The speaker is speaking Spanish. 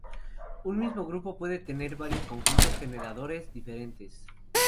Un mismo grupo puede tener varios conjuntos generadores diferentes.